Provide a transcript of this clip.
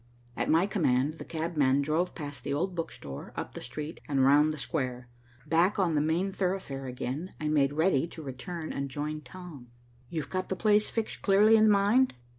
At my command, the cabman drove past the old book store, up the street, and round the square. Back on the main thoroughfare again, I made ready to return and join Tom. "You've got the place fixed clearly in mind?"